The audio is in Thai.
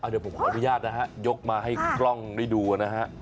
เดี๋ยวผมขออนุญาตนะฮะยกมาให้กล้องได้ดูนะฮะ